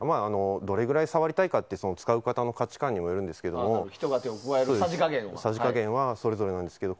どれぐらい触りたいかというのは使う方の価値観によりますので手を加えるさじ加減はそれぞれですけど。